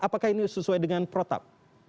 apakah ini sesuai dengan protap